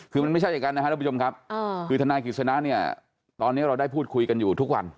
คือมันไม่ใช่เหมือนกันนะครับวุฒิบุจมิตรคือธนาคิดสนะตอนนี้เราได้พูดคุยกันอยู่ทุกวัน